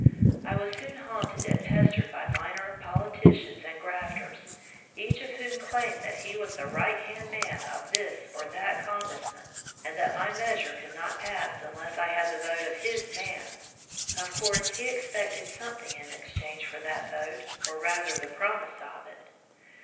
I was soon haunted and pestered by minor 156 At the NatiorCs Capital politicians and grafters, each of whom claimed that he was the right hand man of this or that congressman, and that my meas ure could not pass unless I had the vote of "his" man. Of course, he expected some thing in exchange for that vote, or rather the promise of it.